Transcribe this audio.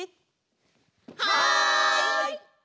はい！